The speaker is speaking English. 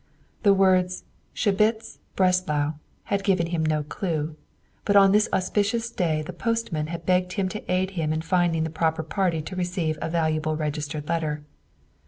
The words "Schebitz Breslau" had given him no clue; but on this auspicious day the postman had begged him to aid him in finding the proper party to receive a valuable registered letter.